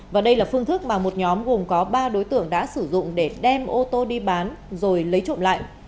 và đây là phương thức mà một nhóm gồm có ba đối tượng đã sử dụng để đem ô tô đi bán rồi lấy trộm lại